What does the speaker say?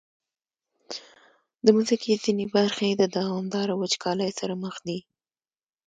د مځکې ځینې برخې د دوامداره وچکالۍ سره مخ دي.